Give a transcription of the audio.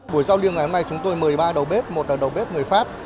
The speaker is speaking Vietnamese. buổi giao lưu ngày hôm nay chúng tôi mời ba đầu bếp một là đầu bếp người pháp